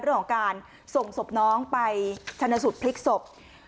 เรื่องของการส่งศพน้องไปชนสูตรพลิกศพ